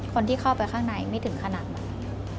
คนที่เข้าไปข้างในไม่ถึงขนาดนั้น